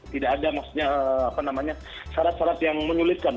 tidak ada maksudnya syarat syarat yang menyulitkan